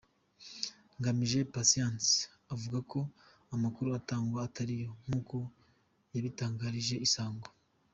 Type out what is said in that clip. Ngamije Patient avuga ko amakuru atangwa atariyo; nk’uko yabitangarije Isango.